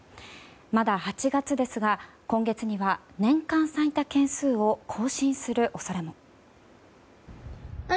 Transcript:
まだ８月ですが今月には年間最多件数を更新する恐れも。